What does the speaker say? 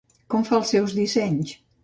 Com fa els seus dissenys?